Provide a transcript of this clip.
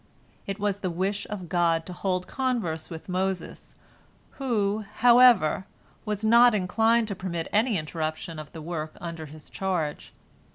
It was the wish of God to hold converse with Moses, who, however, was not inclined to permit any interruption of the work under his charge.